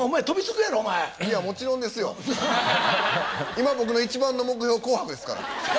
今僕の一番の目標「紅白」ですから。